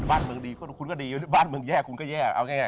บ้านเมืองดีคุณก็ดีบ้านเมืองแย่คุณก็แย่เอาง่าย